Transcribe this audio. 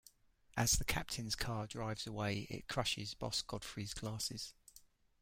As the captain's car drives away, it crushes Boss Godfrey's glasses.